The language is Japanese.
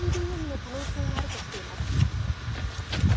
ＩＣＢＭの可能性があるとしています。